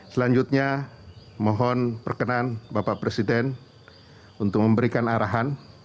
selanjutnya mohon perkenan bapak presiden untuk memberikan arahan